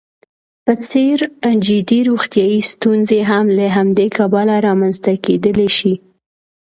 په څېر جدي روغیتايي ستونزې هم له همدې کبله رامنځته کېدلی شي.